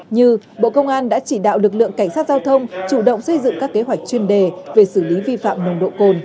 như bộ công an đã chỉ đạo lực lượng cảnh sát giao thông chủ động xây dựng các kế hoạch chuyên đề về xử lý vi phạm nồng độ cồn